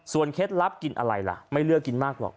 เคล็ดลับกินอะไรล่ะไม่เลือกกินมากหรอก